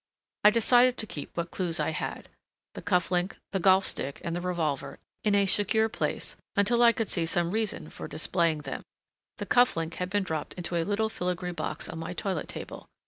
I decided to keep what clues I had, the cuff link, the golf stick and the revolver, in a secure place until I could see some reason for displaying them. The cuff link had been dropped into a little filigree box on my toilet table.